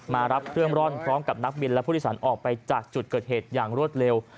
มารับเครื่องร่อนพร้อมกับนักบินและผู้โดยสารออกไปจากจุดเกิดเหตุอย่างรวดเร็ว